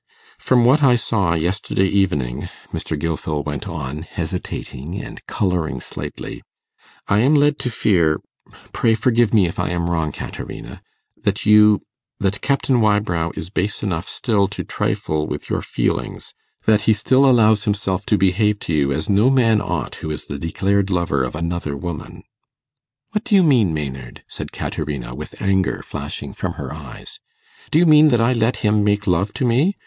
'From what I saw yesterday evening,' Mr. Gilfil went on, hesitating and colouring slightly, 'I am led to fear pray forgive me if I am wrong, Caterina that you that Captain Wybrow is base enough still to trifle with your feelings, that he still allows himself to behave to you as no man ought who is the declared lover of another woman.' 'What do you mean, Maynard?' said Caterina, with anger flashing from her eyes. 'Do you mean that I let him make love to me?